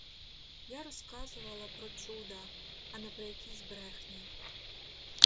Я розказувала про чуда, а не про якісь брехні.